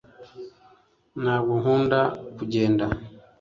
ntabwo nkunda kugenda